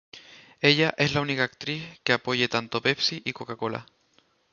Ella es la única actriz que apoye tanto Pepsi y Coca-Cola.